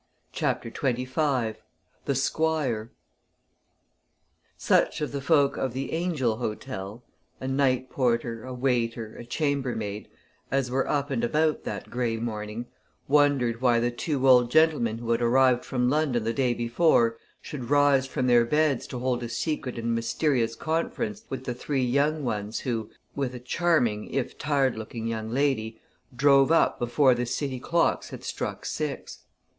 CHAPTER XXV THE SQUIRE Such of the folk of the "Angel" hotel a night porter, a waiter, a chamber maid as were up and about that grey morning, wondered why the two old gentlemen who had arrived from London the day before should rise from their beds to hold a secret and mysterious conference with the three young ones who, with a charming if tired looking young lady, drove up before the city clocks had struck six.